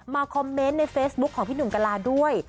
คอมเมนต์ในเฟซบุ๊คของพี่หนุ่มกะลาด้วย